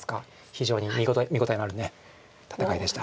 非常に見応えのある戦いでした。